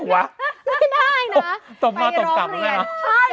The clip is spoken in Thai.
ไม่ได้นะไปร้องเรียน